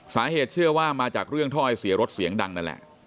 สาเหตุเชื่อว่ามาจากเรื่องถ้อยเสียรถเสียงดังนั่นแหละ